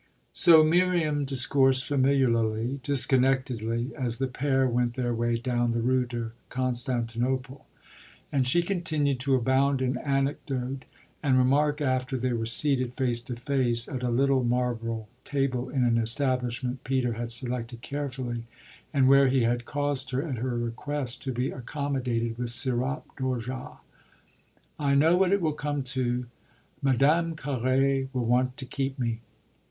So Miriam discoursed, familiarly, disconnectedly, as the pair went their way down the Rue de Constantinople; and she continued to abound in anecdote and remark after they were seated face to face at a little marble table in an establishment Peter had selected carefully and where he had caused her, at her request, to be accommodated with sirop d'orgeat. "I know what it will come to: Madame Carré will want to keep me."